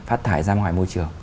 phát thải ra ngoài môi trường